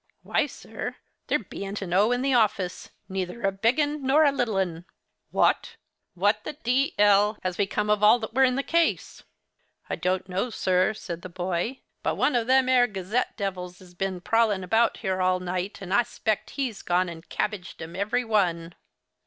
'Why, sir, there beant an o in the office, neither a big un nor a little un!' 'What—what the d—l has become of all that were in the case?' 'I don't know, sir,' said the boy, 'but one of them ere "G'zette" devils is bin prowling 'bout here all night, and I spect he's gone and cabbaged 'em every one.